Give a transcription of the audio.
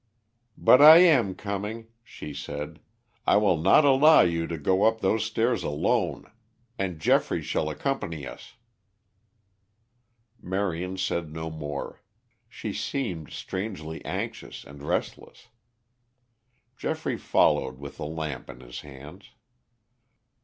"But I am coming," she said. "I will not allow you to go up those stairs alone. And Geoffrey shall accompany us." Marion said no more. She seemed strangely anxious and restless. Geoffrey followed with a lamp in his hands.